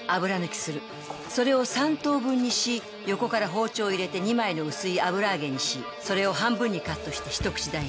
それを３等分にし横から包丁を入れて２枚の薄い油揚げにしそれを半分にカットして一口大に。